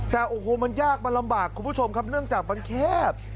แต่โอ้โหมันยากมันลำบากคุณผู้ชมครับเนื่องจากมันแคบ